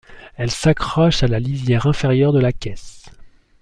Elles s'accrochent à la lisière inférieure de la caisse.